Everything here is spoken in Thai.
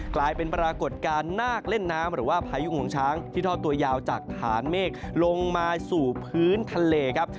กลายเป็นปรากฏการณ์นาคเล่นน้ำหรือว่าพายุงวงช้างที่ทอดตัวยาวจากฐานเมฆลงมาสู่พื้นทะเลครับ